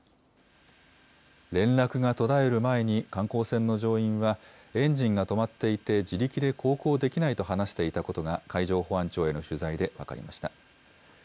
連絡が途絶える前に観光船の乗員は、エンジンが止まっていて、自力で航行できないと話していたことが、海上保安庁への取材で分かりました。